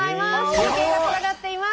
中継がつながっています。